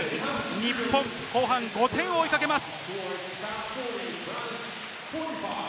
日本後半５点を追いかけます。